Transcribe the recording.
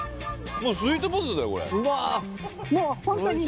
スイートポテトだよこれ。